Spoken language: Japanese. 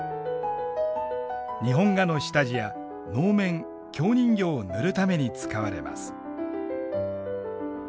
日本画の下地や能面京人形を塗るために使われます。